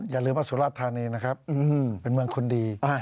อย่าลืมว่าสุราชธานีนะครับเป็นเมืองคนดี